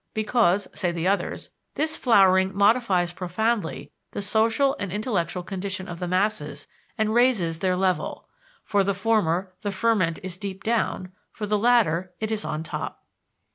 Because, say the others, this flowering modifies profoundly the social and intellectual condition of the masses and raises their level. For the former the ferment is deep down; for the latter it is on top.